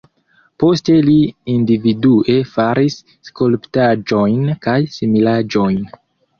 Poste li individue faris skulptaĵojn kaj similaĵojn.